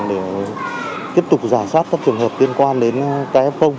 để tiếp tục giả sát các trường hợp liên quan đến kf